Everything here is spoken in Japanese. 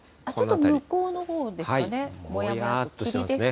ちょっと向こうのほうですかね。